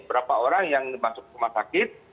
berapa orang yang masuk rumah sakit